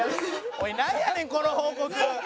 おいなんやねんこの報告！